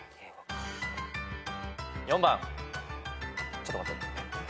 ちょっと待って。